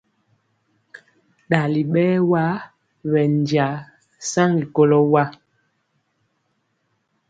Dali bɛɛwa bɛnja saŋgi kɔlo wa.